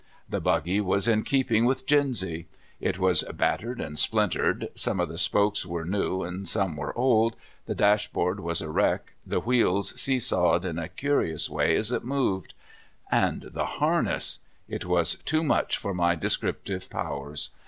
The buggy was in keeping with Gins3^ It was battered and splin tered, some of the spokes were new and some were old, the dashboard was a wreck, the wheels see sawed in a curious way as it moved. And the LOCKLEY. 51 harness I — it was too much for my descriptive pow ers.